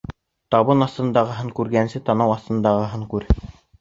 Табан аҫтындағын күргәнсе, танау аҫтындағың күр.